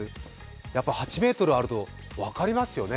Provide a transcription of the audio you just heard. やっぱり８ｍあると分かりますね。